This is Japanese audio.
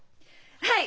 はい！